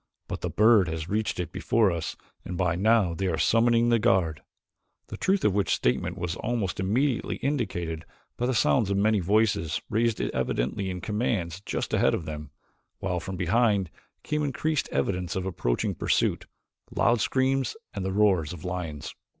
But the bird has reached it before us and by now they are summoning the guard," the truth of which statement was almost immediately indicated by sounds of many voices raised evidently in commands just ahead of them, while from behind came increased evidence of approaching pursuit loud screams and the roars of lions.